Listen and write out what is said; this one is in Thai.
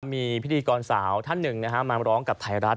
มีพิธีกรสาวท่านหนึ่งมาร้องกับไทยรัฐ